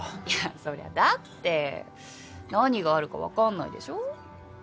いやそりゃだって何があるかわかんないでしょ？